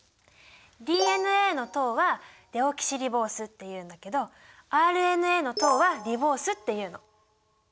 ＤＮＡの糖は「デオキシリボース」っていうんだけどＲＮＡの糖は「リボース」っていうの。